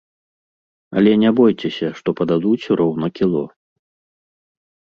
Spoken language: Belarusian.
Але не бойцеся, што пададуць роўна кіло.